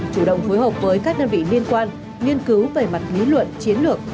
chủ động phối hợp với các đơn vị liên quan nghiên cứu về mặt lý luận chiến lược